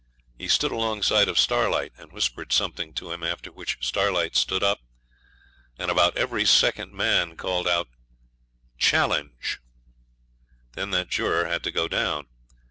He stood alongside of Starlight, and whispered something to him, after which Starlight stood up, and about every second man called out 'Challenge'; then that juror had to go down.